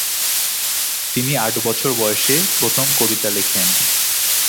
তিনি প্রথম আট বছর বয়েসে প্রথম কবিতা লেখেন।